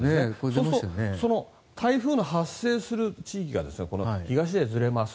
そうすると台風の発生する地域が東へずれます。